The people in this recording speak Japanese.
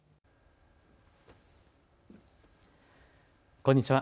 こんにちは。